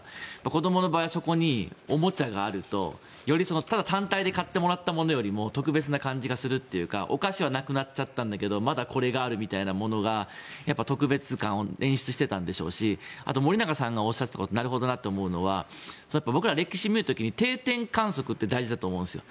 子どもの場合そこにおもちゃがあるとただ単体で買ってもらったものよりも特別な感じがするというかお菓子はなくなっちゃったんだけどまだ、これがあるみたいなものが特別感を演出してたんでしょうし森永さんがおっしゃったことでなるほどなと思うのは僕ら、歴史を見る時に定点観測って大事だと思うんですよ。